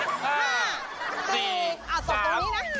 พรุ่งนี้๕สิงหาคมจะเป็นของใคร